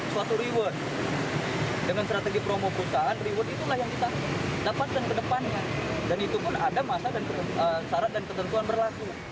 dan itu pun ada masalah dan syarat dan ketentuan berlaku